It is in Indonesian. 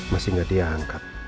masih gak diangkat